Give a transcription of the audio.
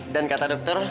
dan kata dokter